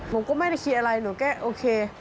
ผมก็ไม่ได้คิดอะไรหนูแค่โอเค